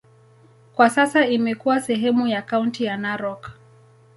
Kwa sasa imekuwa sehemu ya kaunti ya Narok.